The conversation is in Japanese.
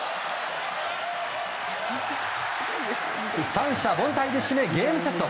三者凡退で締め、ゲームセット。